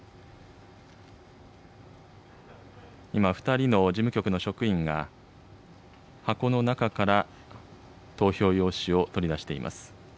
今、２人の事務局の職員が、箱の中から投票用紙を取り出しています。